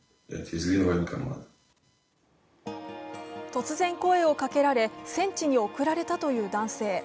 突然声をかけられ戦地に送られたという男性。